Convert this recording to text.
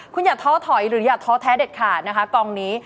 คุณอย่าท้อถอยหรืออย่าท้อแท้เด็ดขาดนะคะกองนี้